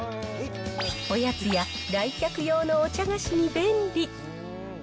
おやつや来客用のお茶菓子に便利。